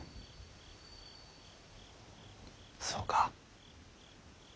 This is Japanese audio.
そうか。